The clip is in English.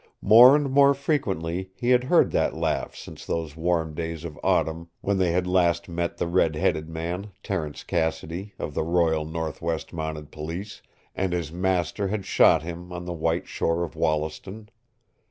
More and more frequently he had heard that laugh since those warm days of autumn when they had last met the red headed man, Terence Cassidy, of the Royal Northwest Mounted Police, and his master had shot him on the white shore of Wollaston.